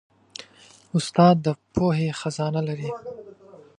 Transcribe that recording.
استاد د پوهې خزانه لري.